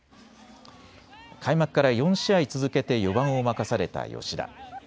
開幕から４試合続けて４番を任された吉田。